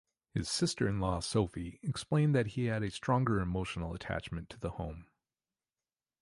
His sister-in-law Sophie explained that he had a stronger emotional attachment to the home.